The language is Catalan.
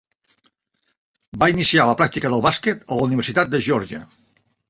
Va iniciar la pràctica del bàsquet a la Universitat de Geòrgia.